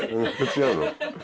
違うの？